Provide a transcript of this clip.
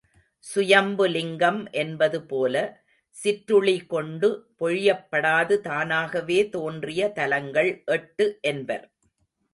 சுயம்பு லிங்கம் என்பது போல, சிற்றுளி கொண்டு பொழியப்படாது தானாகவே தோன்றிய தலங்கள் எட்டு என்பர்.